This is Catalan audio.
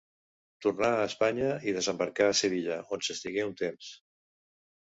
Tornà a Espanya i desembarcà a Sevilla, on s'estigué un temps.